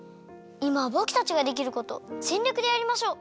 いまはぼくたちができることをぜんりょくでやりましょう！